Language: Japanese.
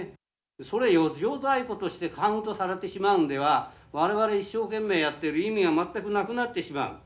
それを余剰在庫として、カウントされてしまうのでは、われわれ一生懸命やっている意味が全くなくなってしまう。